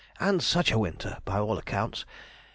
And such a winter! by all accounts.